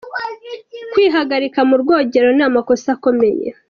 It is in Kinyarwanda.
Kwihagarika mu rwogero ni amakosa akomeye.